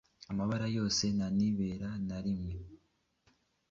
amabara yose ntayiberanarimwe